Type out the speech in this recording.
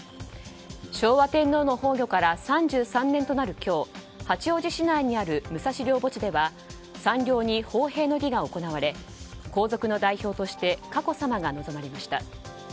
昭和天皇の崩御から３３年となる今日八王子市内にある武蔵陵墓地では山稜に奉幣の儀が行われ皇族の代表として佳子さまが臨まれました。